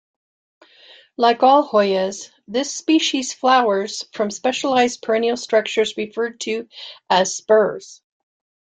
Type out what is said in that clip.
Like all Hoyas, this species flowers from specialized perennial structures referred to as spurs.